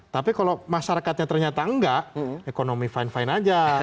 tapi kalau masyarakatnya ternyata enggak ekonomi fine fine aja